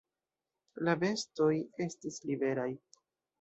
La bestoj estis liberaj.